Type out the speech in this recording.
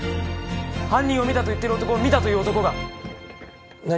犯人を見たと言ってる男を見たという男が何？